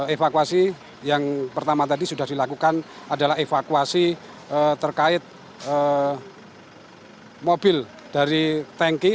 evakuasi yang pertama tadi sudah dilakukan adalah evakuasi terkait mobil dari tanki